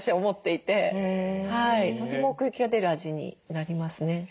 とても奥行きが出る味になりますね。